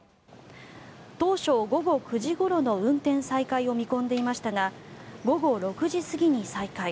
当初、午後９時ごろの運転再開を見込んでいましたが午後６時過ぎに再開。